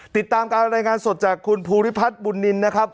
ติดตามการรายงานสดจากคุณภูริพัฒน์บุญนินนะครับ